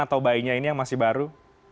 atau bayinya ini yang masih baru